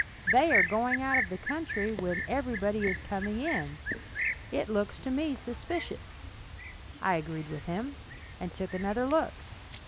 They are going out of the country when everybody is coming in. It looks to me suspicious." I agreed with him, and took another look.